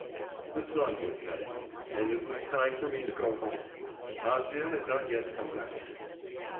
The sun was setting, and it was time for me to go home. Acia had not yet come back.